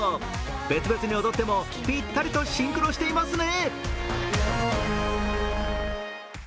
別々に踊ってもぴったりとシンクロしていますね。